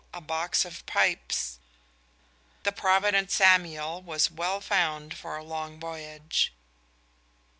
a box of pipes." The provident Samuel was well found for a long voyage.